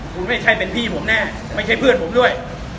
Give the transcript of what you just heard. คุณไม่ใช่เป็นพี่ผมแน่ไม่ใช่เพื่อนผมด้วย